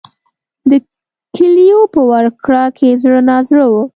د کیلیو په ورکړه کې زړه نازړه و.